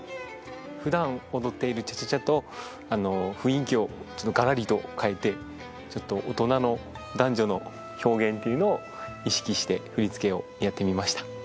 ふだん踊っているチャチャチャとあの雰囲気をガラリと変えてちょっと大人の男女の表現っていうのを意識して振り付けをやってみました。